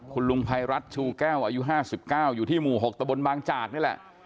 คุณลุงภัยรัฐชูแก้วอายุ๕๙อยู่ที่หมู่๖ตะบนบางจากนี่แหละ